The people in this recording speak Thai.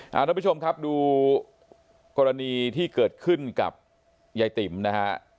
ท่านผู้ชมครับดูกรณีที่เกิดขึ้นกับยายติ๋มนะฮะ